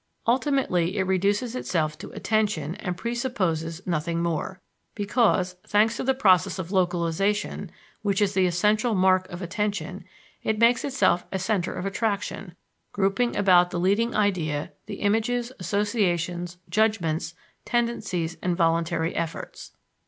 Ultimately it reduces itself to attention and presupposes nothing more, because, thanks to the process of "localization," which is the essential mark of attention, it makes itself a center of attraction, grouping about the leading idea the images, associations, judgments, tendencies and voluntary efforts.